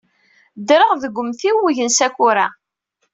Ddreɣ deg umtiweg n Sakura.